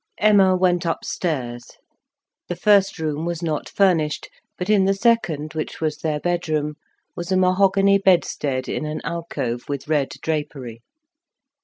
Emma went upstairs. The first room was not furnished, but in the second, which was their bedroom, was a mahogany bedstead in an alcove with red drapery.